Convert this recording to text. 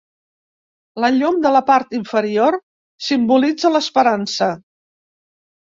La llum de la part inferior simbolitza l'esperança.